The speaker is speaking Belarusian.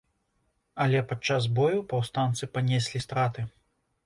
Але падчас бою паўстанцы панеслі страты.